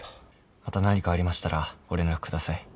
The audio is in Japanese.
また何かありましたらご連絡下さい。